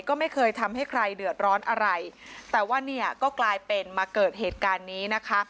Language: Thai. ก็ไม่เคยทำให้ใครเดือดร้อนอะไรแต่ว่าเนี่ยก็กลายเป็นมาเกิดเหตุการณ์นี้นะคะ